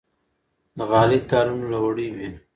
د غالۍ تارونه له وړۍ وي.